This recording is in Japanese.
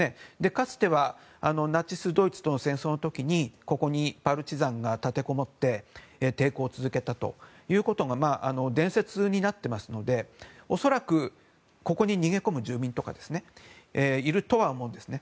かつてはナチスドイツとの戦争の時にここにパルチザンが立てこもって抵抗を続けたということが伝説になっていますので恐らく、ここに逃げ込む住民とかいるとは思うんですね。